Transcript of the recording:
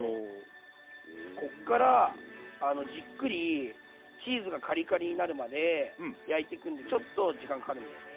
こっからじっくりチーズがカリカリになるまで焼いていくんでちょっと時間かかるんだよね。